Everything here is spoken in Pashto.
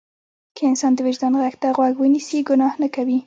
که انسان د وجدان غږ ته غوږ ونیسي ګناه نه کوي.